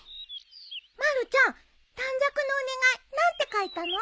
まるちゃん短冊のお願い何て書いたの？